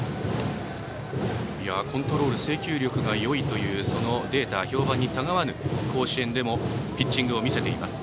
コントロール制球力がよいというそのデータ、評判にたがわぬピッチングを見せています。